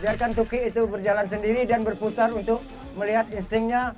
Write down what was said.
biarkan tuki itu berjalan sendiri dan berputar untuk melihat instingnya